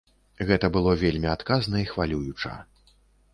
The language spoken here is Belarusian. Гэта было вельмі адказна і хвалююча.